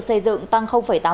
xây dựng tăng tám mươi tám